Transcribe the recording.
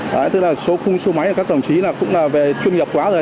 đó tức là số khung số máy các đồng chí cũng là về chuyên nghiệp quá rồi